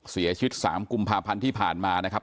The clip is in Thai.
เสียชีวิต๓กุมภาพันธ์ที่ผ่านมานะครับ